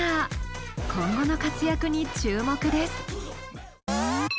今後の活躍に注目です。